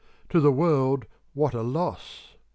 To the world what a loss!